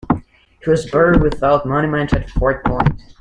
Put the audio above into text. He was buried without monument at Fort Point.